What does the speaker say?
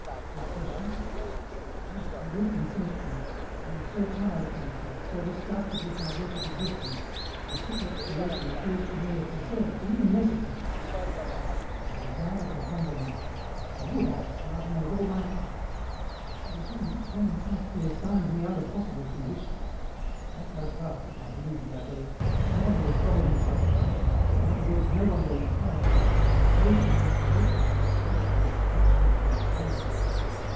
" Confession ? Yes, I will consent to it, I am so tired ot myself, so disgusted with my wretched existence that this expiation appears to me as deserved, even necessary. I desire to humble myself, I would ask pardon with all my heart, but again this penance must be assigned me under possible conditions. At La Trappe, if I believe the abb^, no one will trouble himself about me, in other words no one will encourage me, and aid me to submit to this sorrowful ex traction of my shames.